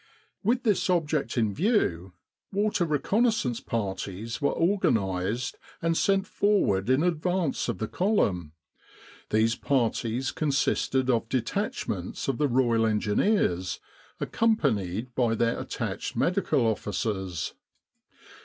With this object in view, water reconnaissance parties were organised and sent forward in advance of the column. These parties consisted of detachments of the Royal Engineers accompanied by their attached Medical Officers.